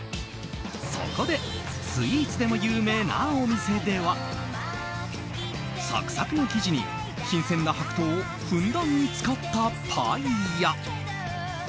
そこでスイーツでも有名なお店ではサクサクの生地に、新鮮な白桃をふんだんに使ったパイや。